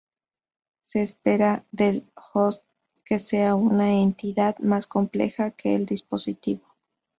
Se espera del "host" que sea una entidad más compleja que el dispositivo.